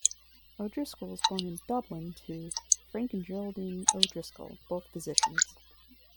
O'Driscoll was born in Dublin to Frank and Geraldine O'Driscoll, both physicians.